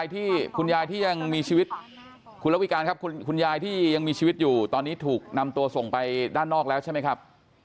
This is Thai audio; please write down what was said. ที่คุณยายที่ยังมีชีวิตคุณระวิการครับคุณยายที่ยังมีชีวิตอยู่ตอนนี้ถูกนำตัวส่งไปด้านนอกแล้วใช่ไหมครับ